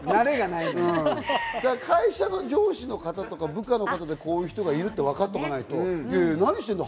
会社の上司の方とか部下の方でこういう人がいるってわかっとかないと、何してんの？